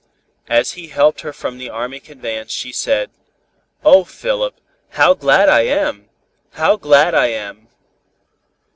As he helped her from the army conveyance she said: "Oh, Philip, how glad I am! How glad I am!"